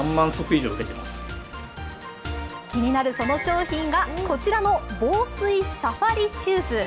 気になるその商品がこちらの防水サファリシューズ。